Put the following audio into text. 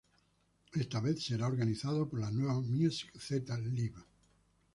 Esta vez será organizado por la nueva Music Z Live.